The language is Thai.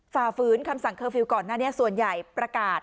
ฝ่าฝืนคำสั่งเคอร์ฟิลล์ก่อนหน้านี้ส่วนใหญ่ประกาศ